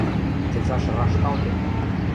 Цецаш рашкалтем!..